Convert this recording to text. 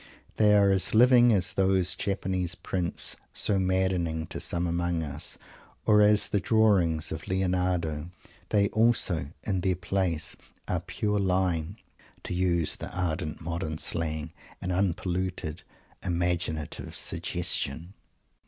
They are as living as those Japanese Prints so maddening to some among us, or as the drawings of Lionardo. They also in their place are "pure line" to use the ardent modern slang, and unpolluted "imaginative suggestion."